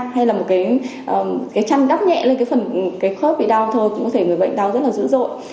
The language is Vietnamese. hay là một cái chăn đắp nhẹ lên cái phần cái khớp bị đau thơ cũng có thể người bệnh đau rất là dữ dội